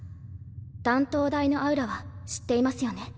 断頭台のアウラは知っていますよね？